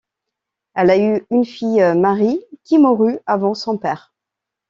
Elle a eu une fille, Marie, qui mourut avant son père.